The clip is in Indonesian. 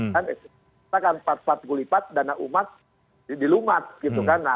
kita kan empat puluh lipat dana umat dilumat gitu kan